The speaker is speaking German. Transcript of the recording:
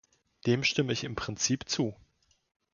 Dem stimme ich im Prinzip zu.